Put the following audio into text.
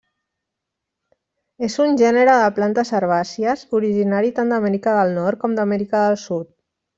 És un gènere de plantes herbàcies originari tant d'Amèrica del Nord com d'Amèrica del Sud.